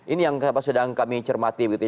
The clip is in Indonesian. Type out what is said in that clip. ini yang sedang kami cermati begitu ya